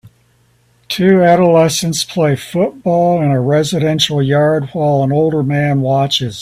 Two adolescents play football in a residential yard while an older man watches.